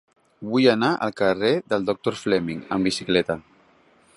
Vull anar al carrer del Doctor Fleming amb bicicleta.